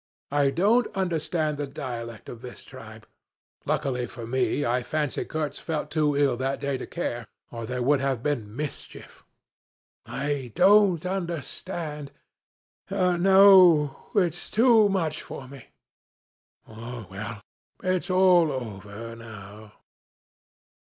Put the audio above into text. I don't understand the dialect of this tribe. Luckily for me, I fancy Kurtz felt too ill that day to care, or there would have been mischief. I don't understand. ... No it's too much for me. Ah, well, it's all over now.'